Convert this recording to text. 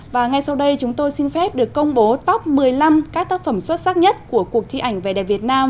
và ngay sau đây chúng tôi xin phép được công bố top một mươi năm các tác phẩm xuất sắc nhất của cuộc thi ảnh vẻ đẹp việt nam